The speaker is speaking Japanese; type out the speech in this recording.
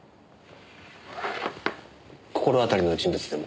心当たりの人物でも？